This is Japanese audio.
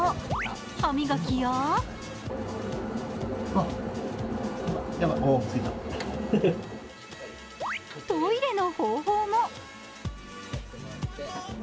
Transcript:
歯磨きやトイレの方法も。